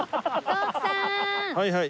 はいはい。